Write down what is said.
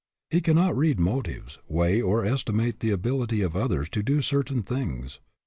He cannot read motives, weigh or estimate the ability of others to do certain things.